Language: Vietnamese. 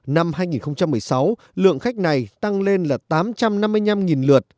năm hai nghìn một mươi sáu lượng khách này tăng lên là tám trăm năm mươi năm lượt